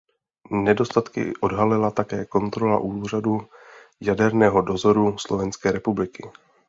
Nedostatky odhalila také kontrola Úřadu jaderného dozoru Slovenské republiky.